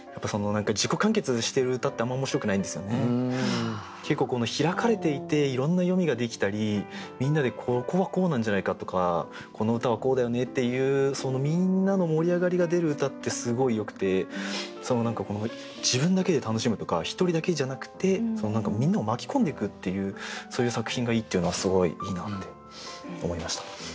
やっぱり短歌も結構開かれていていろんな読みができたりみんなで「ここはこうなんじゃないか？」とか「この歌はこうだよね」っていう何か自分だけで楽しむとか１人だけじゃなくてみんなを巻き込んでいくっていうそういう作品がいいっていうのはすごいいいなって思いました。